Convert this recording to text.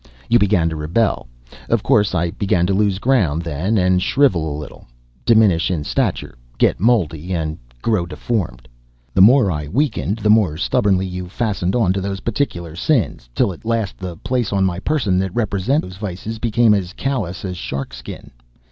You began to rebel. Of course I began to lose ground, then, and shrivel a little diminish in stature, get moldy, and grow deformed. The more I weakened, the more stubbornly you fastened on to those particular sins; till at last the places on my person that represent those vices became as callous as shark skin.